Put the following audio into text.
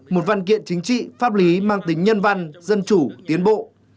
một văn kiện chính trị pháp lý mang tính nhân văn dân chủ tiến bộ